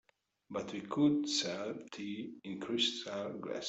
But we could sell tea in crystal glasses.